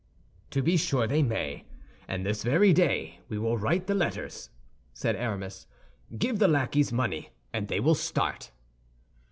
"To be sure they may; and this very day we will write the letters," said Aramis. "Give the lackeys money, and they will start."